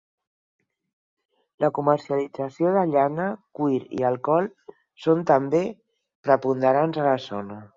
La comercialització de llana cuir i alcohol són també preponderants a la zona.